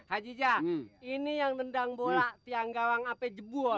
ajijang ini yang tendang bola tiang gawang apa jebul